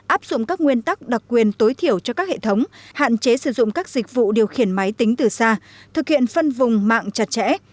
áp dụng các nguyên tắc đặc quyền tối thiểu cho các hệ thống hạn chế sử dụng các dịch vụ điều khiển máy tính từ xa thực hiện phân vùng mạng chặt chẽ